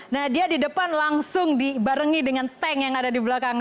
nah dia di depan langsung dibarengi dengan tank yang ada di belakang